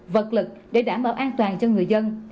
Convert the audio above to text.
vật lực để đảm bảo an toàn cho người dân